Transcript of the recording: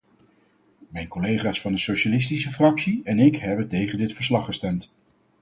Mijn collega's van de socialistische fractie en ik hebben tegen dit verslag gestemd.